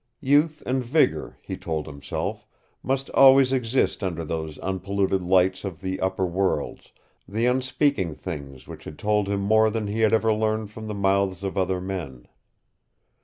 Youth and vigor, he told himself, must always exist under those unpolluted lights of the upper worlds, the unspeaking things which had told him more than he had ever learned from the mouths of other men.